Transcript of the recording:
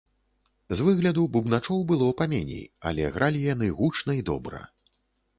З выгляду бубначоў было паменей, але гралі яны гучна і добра.